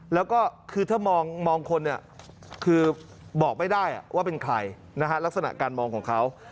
แล้วก็คือถ้ามองคนบอกไม่ได้ว่าเป็นใครลักษณะการมองของเขา